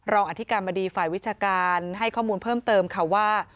อธิการบดีฝ่ายวิชาการให้ข้อมูลเพิ่มเติมค่ะว่า